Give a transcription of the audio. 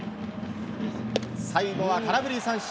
最後は空振り三振。